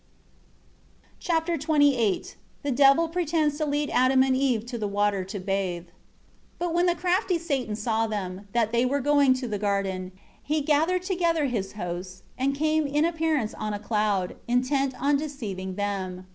Chapter XXVIII The Devil pretends to lead Adam and Eve to the water to bathe. 1 But when the crafty Satan saw them, that they were going to the garden, he gathered together his host, and came in appearance on a cloud, intent on deceiving them.